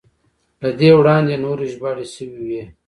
له دې وړاندې نورې ژباړې شوې وې.